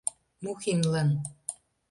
МУХИНЛАН